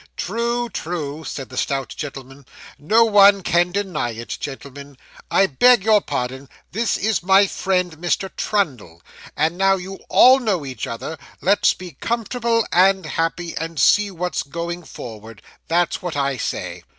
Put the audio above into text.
'True, true,' said the stout gentleman; 'no one can deny it. Gentlemen, I beg your pardon; this is my friend Mr. Trundle. And now you all know each other, let's be comfortable and happy, and see what's going forward; that's what I say.